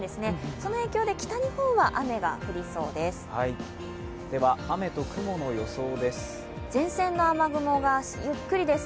その影響で北日本は雨が降りそうです。